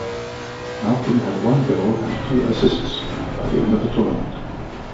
Malkin had one goal and two assists by the end of the tournament.